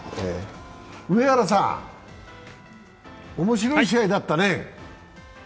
上原さん、面白い試合だったね。